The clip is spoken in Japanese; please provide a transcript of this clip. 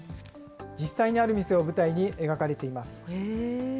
実際にある店を舞台に描かれています。